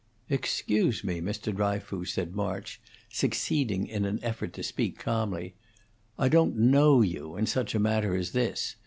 "Excuse me, Mr. Dryfoos," said March, succeeding in an effort to speak calmly, "I don't know you, in such a matter as this.